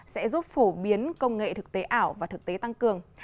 sẽ giúp phổ biến công nghệ thực tế ảo và thực tế tăng cường